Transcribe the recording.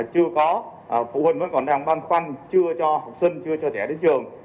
chưa có phụ huynh vẫn còn đang ban khoanh chưa cho học sinh chưa cho trẻ đến trường